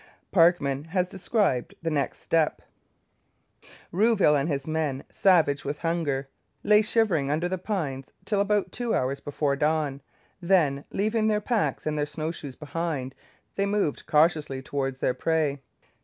Parkman has described the next step: Rouville and his men, savage with hunger, lay shivering under the pines till about two hours before dawn; then, leaving their packs and their snow shoes behind, they moved cautiously towards their prey.